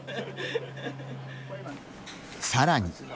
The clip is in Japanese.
さらに。